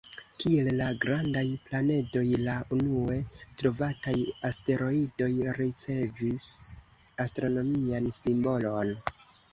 Kiel la "grandaj" planedoj, la unue-trovataj asteroidoj ricevis astronomian simbolon.